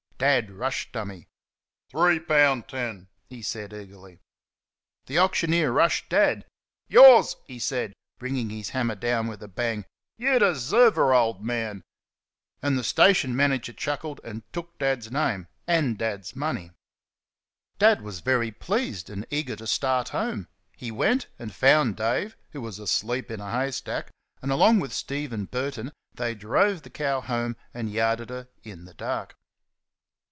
Dad rushed "Dummy." "Three poun' ten," he said, eagerly. The auctioneer rushed Dad. "YOURS," he said, bringing his hammer down with a bang; "you deserve her, old man!" And the station manager chuckled and took Dad's name and Dad's money. Dad was very pleased, and eager to start home. He went and found Dave, who was asleep in a hay stack, and along with Steven Burton they drove the cow home, and yarded her in the dark.